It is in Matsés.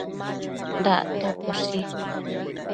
Dactoquioshi